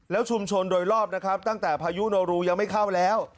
ชุมชนโดยรอบนะครับตั้งแต่พายุโนรูยังไม่เข้าแล้ว